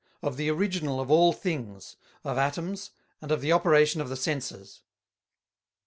Of the Original of All Things; of Atomes; and of the Operation of the Senses.